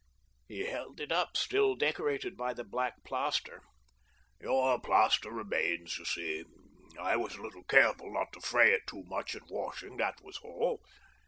He held it up, still decorated by the black plaster. "Your plaster remains, you see — I was a little careful not to fray it too much in washing, that was all."